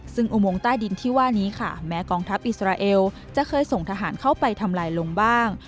ซึ่งอุโมงใต้ดินที่ว่านี้ค่ะแม้กองทัพอิสราเอลจะเคยส่งทหารเข้าไปทำลายลงบ้าง